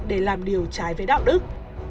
để làm điều trái với đạo đức